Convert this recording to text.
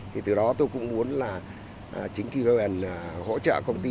thì từ đó tôi cũng muốn chính kỳ bảo vệ hỗ trợ công ty